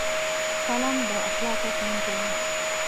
قلم د اخلاقو ښوونکی دی